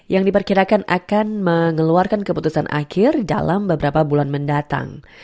yang diperkirakan akan mengeluarkan keputusan akhir dalam beberapa bulan mendatang